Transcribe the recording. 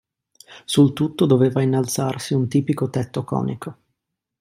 Sul tutto doveva innalzarsi un tipico tetto conico.